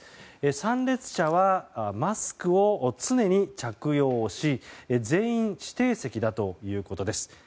参列者はマスクを常に着用し全員指定席だということです。